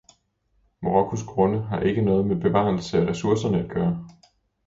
Marokkos grunde har ikke noget med bevarelse af ressourcerne at gøre.